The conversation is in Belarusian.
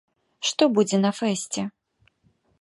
Што будзе на фэсце?